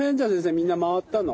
みんな回ったの？